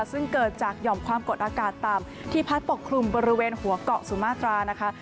ซึ่งเกิดจากหย่อมความกดอากาศต่ำที่พัดปกคลุมบริเวณหัวเกาะสุมาตรานะคะ